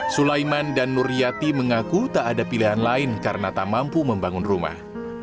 sulaiman dan nur yati mengaku tak ada pilihan lain karena tak mampu membangun rumah